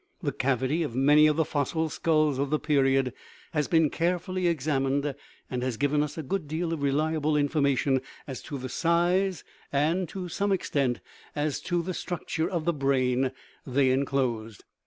The cavity of many of the fossil skulls of the period has been carefully ex amined, and has given us a good deal of reliable infor mation as to the size, and, to some extent, as to the 186 CONSCIOUSNESS structure, of the brain they enclosed.